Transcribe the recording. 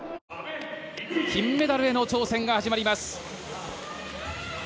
金メダルへの挑戦が始まります。